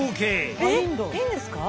えっいいんですか？